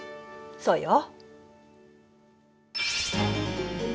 そうよ。